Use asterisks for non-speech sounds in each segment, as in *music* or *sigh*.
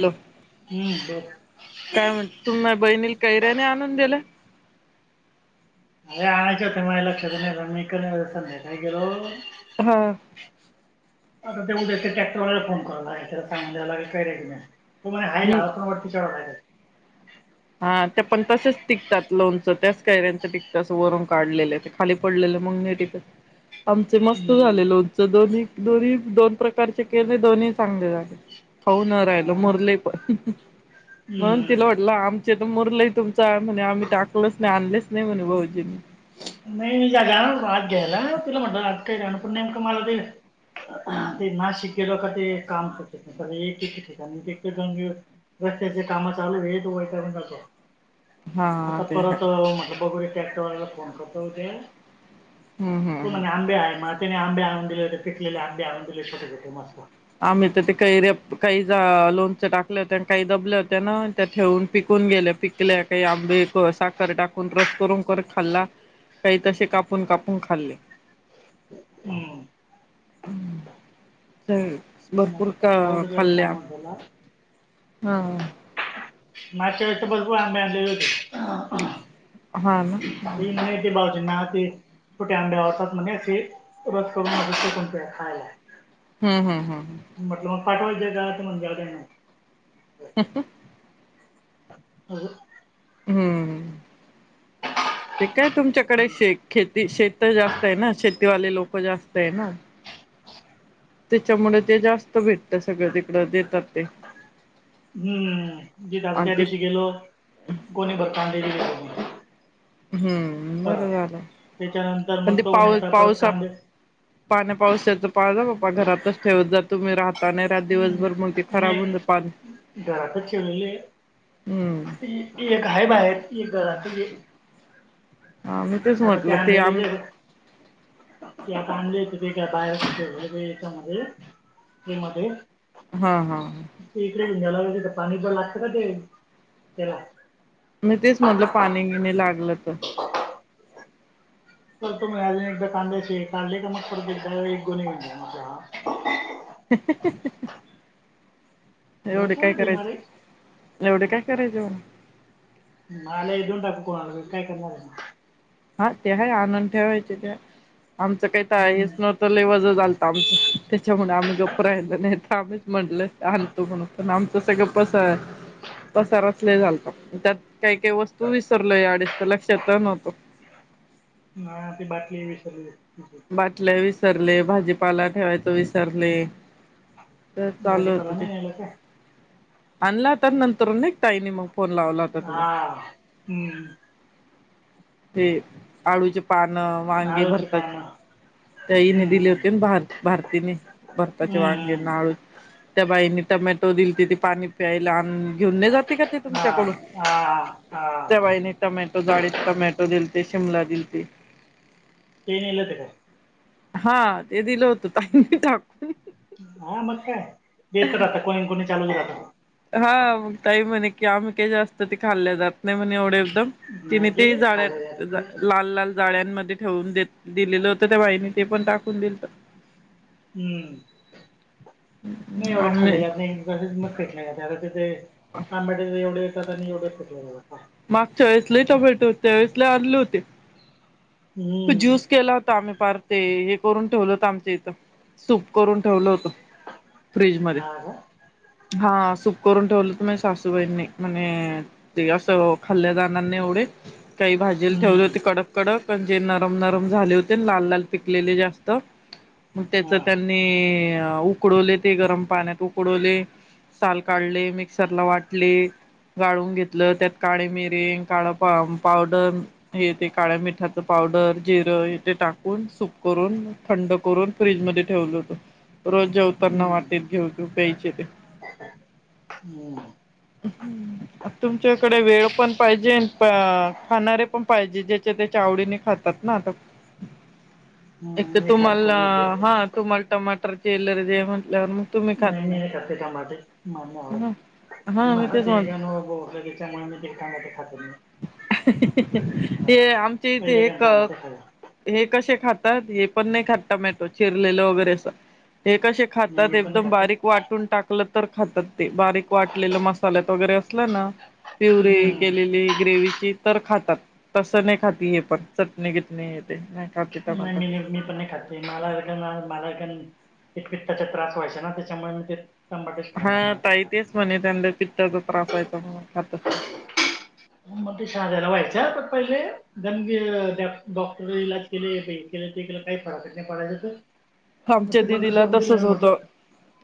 Hello. हम्म बर काय म्हण तुम बहिणीला कैऱ्या नई आणून दिल्या. अरे आणायचे होते माझ्या लक्षात नाही. मी कणी संध्याकाळी गेलो. हा. आता ते उद्या ते टॅक्टरवाल्याला फोन कराव लागेल. त्याला सांगू द्यायला लागेल कैऱ्या घेऊन या म्हणून. म हा हम्म लाणवती चार *unintelligible* हा ते पण तसेच टिकतात लोणचं त्याच कैऱ्यांच टिकत असं वरून काढलेल्या. ते खाली पडलेल्या नई टिकत. आमच मस्त हम्म झालयं लोणचं दोन्ही. दोन्ही दोन प्रकारचे केले दोन्ही चांगले झाले. खाऊन न राहिल हा ना मुरले पण, म्हणून हम्म तिला वाटलं आम ते तर मुरलय तुमचा म्हणे आम्ही टाकलच नाही आणलेच नाही भाऊजीनी. नाही जागा आत घ्यायला. तिला म्हणलं आज कैऱ्या आणू पण नेमकं मला ते. हा ते नाशिक का ते कामचत नाही एक ठिकाणी दोन रस्त्याचे काम चाल आहेत वैतागून जातो. हा आता ते आहे परत म्हणलं बगू ट्रॅक्टर वाल्याला फोन करू. आता उद्या हम्म हम्म तू हम्म मने आंबे आहे म त्याने आंबे आणून दिले होते. पिकलेले आंबे आणून दिले होते छोटे छटे मस्त. आम्ही तर ते कैऱ्या काही जा लोणच टाकलत अन् काही दबल होत्या ना. त्या ठेऊन पिकून गेल्या. पिकल्या काही आंबे साखर टाकून रस करून करून खाल्ला. काही तसे कापून कापून खाल्ले. हम्म. ते. मग *unintelligible* काम होत त्याला. हा. मागच्या वेळेस तर भरपूर आंबे आणलेले होते. हा ना ही नाही ते भाऊजीन छोटे आंबे आवडतात म्हणे असे, रस करून रस करून असे खायला. हम्म हम्म हम्म हम्म. म्हटलं मग पाठवायचे का ते म्हणे त्यांना ह हा ह हम्म *unintelligible* *unintelligible* त्याच्यामुळे ते जास्त भेटत सगळं तिकड देतात. ते आणि ते *unintelligible* हम्म बरं परत झालं. त्याच्यानंतर मग तो म्हणे आता परत कांदे पा घरत *unintelligible* हम्म हम्म हा मी तेच आता ते म्हटलं आणलेले आम ते आता आणले का बाहेर याच्यामध्येमध्ये हा हा याला म्हणजे पाणी पण लागतं ना ते त्याला. मी तेच म्हटलं पाणी बिणी लागलं तर अज एकदा कांद्याचे काढले का मग पडते एक गोणी हा *inaudible* एवढे काय भरपूर देणार आहे करायचे एवढे काय करायचे? मला देऊन टाकू कोणार काय करणार आहे ना हा ते ह आनून ठेवायचे त्या आमचं काही तर हेच हम्म नव्हत लय वज झालतं आमचं त्याच्यामुळे आम्ही गप्प राहिलो नाहीेतर आम्हीच म्हटलं आणतो म्हणून पण आमचं सगळ पसर पसारा लई झालता. त्यात काही काही वस्तू विसरलो आणि तर लक्षात नव्हत. ना ती बाटली हे विसरली तिची. बाटल्यावीसरल्या विसरले भाजीपाला, ठेवायच विसरले, तर चालू होत भाजीपाला ते. नाही नेला काय आनला तर् नंतर न एक ताईन मग फोन लावला होता हा तुम्हा हम्म ते आळूचे पानं, वांगे आळूची भरताची पानं ताईने हम्म हम्म दिले होते भार भारतीने भरताचे हम्म वांगे हम्म आळू त्या बाईने टमॅटो दिली ति ती पाणी प्यायला घेऊन नाही जाते का ते हा तुमच्याकडून हा हा त्या बाईने टमॅटो जाडीत टमॅटो दिलते. ते शिमला दिलते टेनल ते काय हा ते दिलं होत. हा मग काय ब तर राहता कोणी कोणी चालवले राह हा मग काही म्हणे की आम का जास्त ते खाल्ले जात नाही म्हणे एवढे एकदम नाही तिन ते झाड खाल्लं जात लाल लाल जाळ्यांमध्ये ठेवून दिलेलं होतं त्या बाईने ते पण टाकून दिलत. हम्म नाही एवढडे खाले आम्ही ज नाही वस मल्याते ते आांबट ते एवढे *inaudible* मागच्या वेळेस लई टोमॅटो होते त्यावेळेस लई आणले होते. तू हम्म ज्यूस केला होता आम्ही पार ते हे करून ठेवलं होत आमच्या इथं सूप करून ठेवलं होतं. फ्रीज मध्ये हा का हा सूप करून ठेवलं. माझ्या सासूबाईंनी म्हणे असं खाल्या जाणार नाही एवढे काही भाजीला ठेवले होते हम्म कडक कडक आणि जे नरम नरम झाले होते लाल लाल पिकलेले जास्त मग त्याच हा त्यांनी उकडवले ते गरम पाण्यात उकडवले साल काढले मिक्सरला वाटले गाळून घेतलं त्यात काळे मिरे काळ पावडर हे ते काळ्या मिठात पावडर जिरं तेे टाकून सुूप करून थंड करून फ्रीज मध्ये ठेवलं होत. रोज जेवतांना हम्म वाटेत घेऊन प्यायचे ते हम्म तुमच्याकडे वेळ पण पाहिजे खाणारे पण पाहिजे ज्याच्या त्याच्या आवडीने खातात ना आता एक हम्म तर नाही खात तुम्हाला कोणी इथे हा तुम्हाला टमाट तर केलेले जेवण नाही मी नाही खाते टमाटे मला हा हा नाही मी आवडत तेच म्हटलं त्याच्यामुळे मी ते टमाटे खात नाही. ते पहिले गाणं एक टमाटे खाल्ले हे कशे खातात. हे पण नाही खात टोमॅटो चिरलेलं वगैरे असं ते कशे नाही खातात मी पण नाही एकदम खाते बारीक वाटून टाकल तर खातात ते बारीक वाटलेलं मसाल्यात वगैरे असलं ना प्युरी हम्म केलेली ग्रेवीची तर खातात तसं नाही खाती हे पण चटणी बिटणी नाही मी पण नाही खात मला क ना मला पित्ताचा त्याचा त्रास व्हायचा ना त्याच्यामुळे मग ते टमाटेच हा खाणार मला ताई तेच फक्त म्हणे त्यांना पित्ताचा त्रास व्हायचा म्हणून खातच नाही. मग ते शहाजायला व्हायचं पहिले डॉक्टर इलाज केले केलं ते केलं काही फरकच नाही पडायच तर मग आमच्या ते बंदच दिदीला करून दिलं तसच मी होतं म्हटलं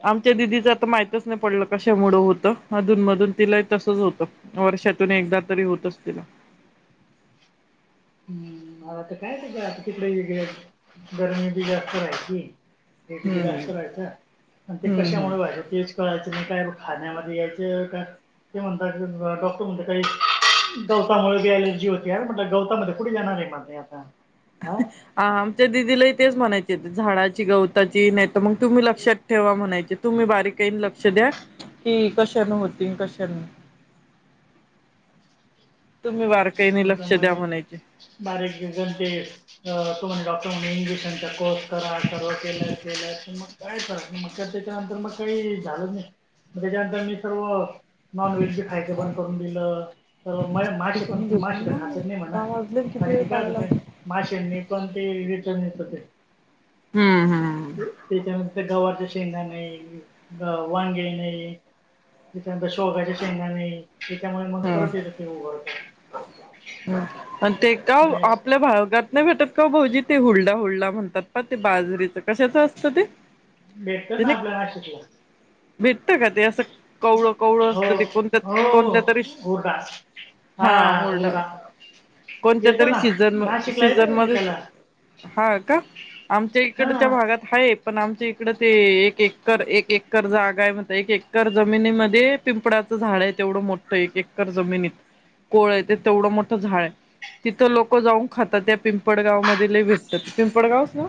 आमच्या दिदीचं आता माहि च नाही पडलं कशा मुळ होतं अधून मधून तिला तसच होत वर्षातून एकदा तरी होतच तिला हम्म आ आता काय आता तिकडे गरमी बी जास्त राहायची. हे तिकड हम्म अस राहायचा आणि ते हम्म हम्म कशामुळे व्हायचं तेच कळायचं. काही खाण्यामध्ये यायचं का ते म्हणतात डॉक्टर म्हण गवतामुळे अलर्जी होते अरे म्हटलं गवतामध्ये कडी जाणार रे माणते आपता हा आमच्या दिदीलाही तेच म्हणायचं झाडाची गवताची नाही तर मग तुम्ही लक्षात ठेवा म्हणायचे तुम्ही बारीकईन लक्ष द्या कि कशाने होती कशाने तुम्ही बारकाईने लक्ष द्या त्याच्यामुळेण म्हणायचे बारीक दिवजण ते अ ॉटरणन इजेशनच्याको तर सर्व केल्या केल्याच मग कार मग त्याच्यानंतर मग काही झालं नाही मग त्याच्यानंतर मी सर्व नॉन व्हेज बी खायच बंद करून दिलं तर माझ पण तिकडून त मासे झोपून तर ना मग खातच नाही म्हणा दहा वाजले किती कारण वेळ की काय पाहायला होतं का लागेल माशनी पण ते रिटर्न येत ते हम्म हम्म ते त्याच्यानंतर गवारच्या शेंगा नाही वांगे नाही त्याच्यानंतर शेवग्याच्या शेंगा नाही त्याच्यामुळे मग परत येतं की उघरत हम आणि ते का गॅस आपल्या भागात नाही भेटत का भाऊजी ते हुळडा हुळडा म्हणतात प ते बाजरीच कशाचं असतं ते भेटत ना आपल्या नाशिक ला भेटत का ते असं कवळं कवळं हो असत ते कोणत्या हो हो कोणत्या तरी हुरडा हा होरडा कोणत्या येतो तरी ना सीझन नाशिकला येतो सीजन ना मध्य विकायला हा का आमच्या हा इकडच्या भागात नाही आहे पण आमच्या तकड ते एक एकर एक एकर जागा आहे मत एक एकर जमिनीमध्ये पिंपळाचं झाड आहे तेवढं मोठं एक एकर जमिनीत कोळ आहे ते तेवढं मोठं झाड आहे तिथं लोक जाऊन खातात त्या पिंपळगाव मध्ये ल भटतात पिंपळगावच ना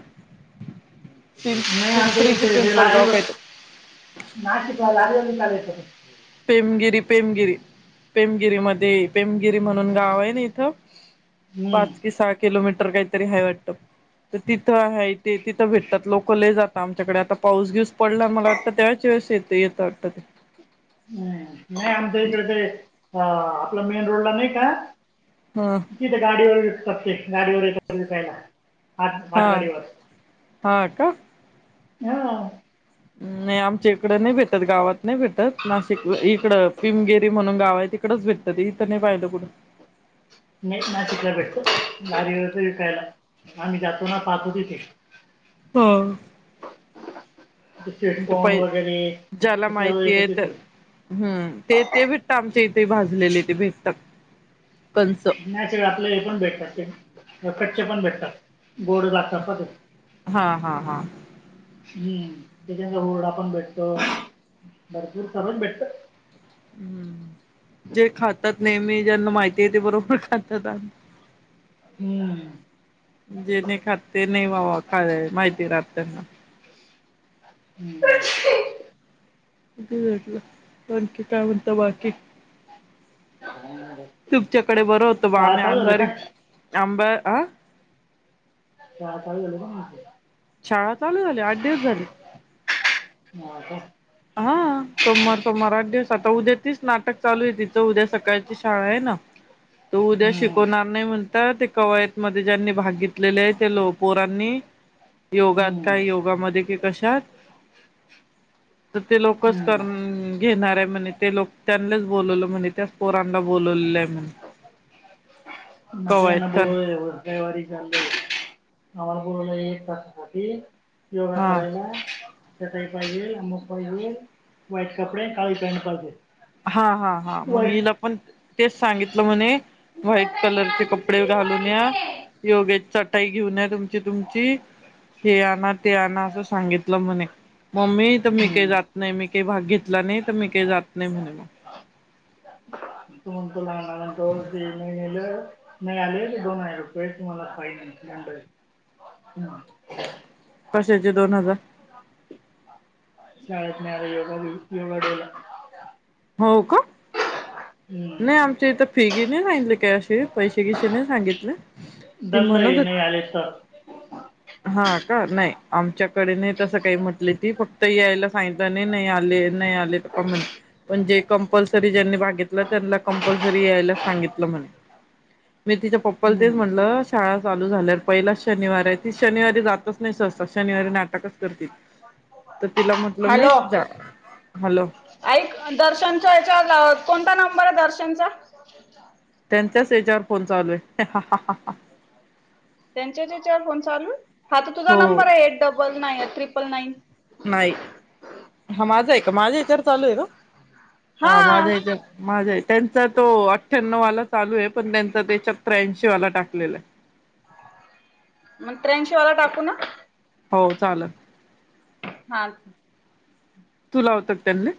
पिंपरी कि पिंपळगाव काय तर *unintelligible* पेमगिरी पेमगिरी पेमगिरी मध्ये पेमगिरी म्हणून गाव आहे ना इथं हम्म. पाच कि सहा किलोमीटर काही तरी हाय वाटतं तर तिथं हाय ते तिथं भेटतात लोक लय जात आमच्याकडे आता पाऊस वीऊस पडला मला वाटतं त्याच्या वेळेस येते येत वाटतं ते. हम हम्म नाही आमच्या इकडे ते आ आपला मेन रोड ला नाही काय ह तिथं गाडीवर कपकेक गाडी वर येतो विकयला हा हा का? हा. नाही आमच्या इकडं नाही भेटत गावात नाही भेटत नाशिक इकडं पिमगिरी म्हणून गाव आहे तिकडच भेटतं ते इथं नाही पाहिलं कुठं. नयत नाशिकला भेटतो गाडीवरचं विकायला आम्ही जातो ना पाहतो तिथे. पो ते त प स्वीटकॉर्न वगैरे ज्याला ते सर्व येतं माहितीय तिथे तर हम्म ते ते भेटत आमच्या इ ते भाजलेले ते भेटतात. कंच नॅचरल आपल्या इथूनं भेटतात ते परफे चे पण भेटतात. गोड लागतात ना ते हा हा हा हम्म तेच्या ज वडा पण भेटतो भरपूर सगळच भेटत हम्म, जे खातात नेहमी ज्यांना माहिती आहे ते बरोबर खातात हम्म. जे नी खाते नाही वावा खा माहिती राहत ना हम्म. किती भेटलं आणखी काय म्हणता बाकी? नाही रे. तुमच्याकडे बरं होतो बा चहा आम्ही चालू झालं अंगारी काय आंबा आ शाळा चालू झाली का. *unintelligible* शाळा चालू झाल्या आठ दिवस झालेत. म आता हा सोमवार सोमवार आठ दिवस आता उद्या तीच नाटक चालू आहे तिचं उद्या सकाळची शाळा आहे ना तो उद्या हम्म. शिकवणार नाही म्हण त ते कवायत मध्ये ज्यांनी भाग घेतलेले आहे त्या लो पोरांनी योगात हम्म. काय योगामध्ये कि कशात? तर ते लोकच हम्म. करनं घेणार म्हणे ते लोक त्यांनलाच बोलवलं म्हणे त्याच पोरांना बोलवलंय म्हण *unintelligible* आम्हाला बोलवलं एक तासासाठी योगा हा करायला चटई पाहिजे आमुक पाहिजे व्हाईट कपडे काळी पॅन्ट पाहिजे. हा, हा, हा मग व्हाईट हिला पण तेच सांगितलं म्हणे व्हाईट कलरचे कपडे घालून या योगे चट टई घेऊन या तुमची तुमची हे आणा ते आणा असं सांगितलं म्हणे मम्मी तर मी काही जात हम्म नाही मी काही भाग घेतला नाही तर मी काय जात नाही म्हणे मग त म्हण तलांत मलं नाही आले दोन हजार रुपये तुम्हाला फाईन्ड येणार कशाचे दोन हजार शाळेत न योगा योगा डेला हो का नाही हम्म आमच्या इथं फेगी मी सांगितले काय असे पैसे कैसे नाही सांगितले ती दंड म्हणत आहे नाही होती आले तर हा का ना नाही आमच्या डे नाही तसं काही म्हटली ती फक् त यायला सांगतल आणि नाही आले नाही आले ले पमन म्हणजे कंपल्सरी ज्यांनी घेतला त्यानला कंपलसरी यायलाच सांगितलं म्हणे मी तिच्या पप्पाला तेच हम्म म्हटलं शाळा चालू झाल्या पहिलाच शनिवार आहेत शनिवारी जातच नाही सहसा शनिवारी नाटकच करती ती तर तिला म्हटलं मी हॅलो जा हॅलो ऐक दर्शनचा वर हेच्याच्यावर कोणता नंबर आहे दर्शनचा त्यांच्याच हेच्यावर फोन चालू आहे त्यांच्याच हे्च्यावर फोन चालू हा तर तुझा हो नंबर आहे eight double nine triple nine नाही हा माझा आहे का माझा याच्यावर चालू आहे का हा माझच माझ त्यांचा तो अठ्ठ्याण्णववाला चालू आहे पण त्यांचा तेत्याऐंशी वाला टाक *unintelligible* मग त्र्यांशीवाला टाकू ना हो चालेल हा तू लावत त्यांनी